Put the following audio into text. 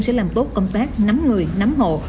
sẽ làm tốt công tác nắm người nắm hộ